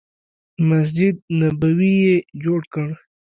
مسجد نبوي یې جوړ کړ.